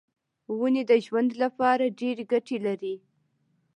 ونې د ژوند لپاره ډېرې ګټې لري.